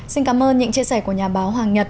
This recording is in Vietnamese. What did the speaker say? xin cảm ơn những chia sẻ của nhà báo hoàng nhật